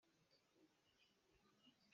Naa dawh naak ka calh kho hngin lo.